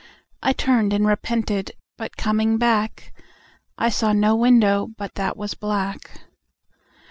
I turned and repented, but coming back I saw no window but that was black.